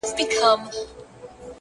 دې لېوني پنځه لمونځونه وکړله نن;